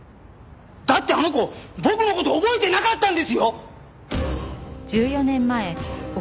だってあの子僕の事覚えてなかったんですよ！